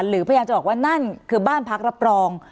พยายามจะบอกว่านั่นคือบ้านพักรับรอง